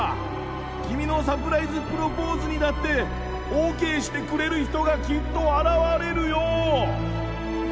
君のサプライズプロポーズにだってオーケーしてくれる人がきっと現れるよ！